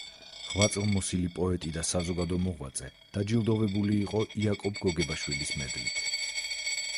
ღვაწლმოსილი პოეტი და საზოგადო მოღვაწე დაჯილდოვებული იყო იაკობ გოგებაშვილის მედლით.